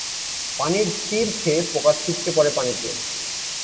পানির তির খেয়ে পোকা ছিটকে পড়ে পানিতে।